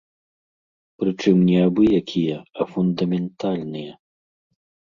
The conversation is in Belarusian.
Прычым не абы-якія, а фундаментальныя!